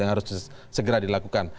yang harus segera dilakukan